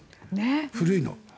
古いの。